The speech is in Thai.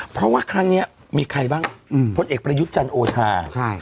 เพราะว่าครั้งนี้มีใครบ้างพลเอกประยุทธ์จันทร์โอชา